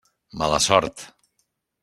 Mala sort.